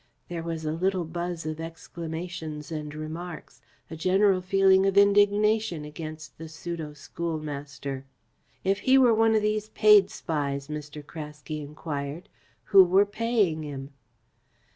There was a little buzz of exclamations and remarks, a general feeling of indignation against the pseudo schoolmaster. "If he were one of these paid spies," Mr. Craske enquired, "who were paying him?"